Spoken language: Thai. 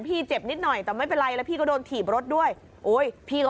มันกลับมาที่สุดท้ายแล้วมันกลับมาที่สุดท้ายแล้ว